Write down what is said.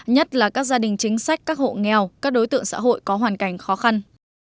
nhất là các gia đình chính sách các hộ nghèo các đối tượng xã hội có hoàn cảnh khó khăn